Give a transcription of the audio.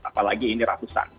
apalagi ini ratusan